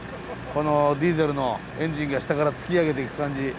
このディーゼルのエンジンが下から突き上げていく感じ。